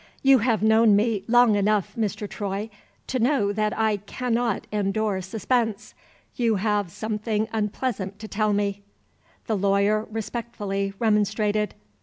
"You have known me long enough, Mr. Troy, to know that I cannot endure suspense. You have something unpleasant to tell me." The lawyer respectfully remonstrated.